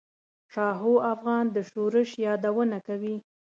شاهو افغان د شورش یادونه کوي.